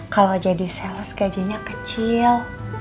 kalau jadi sales gajinya kecil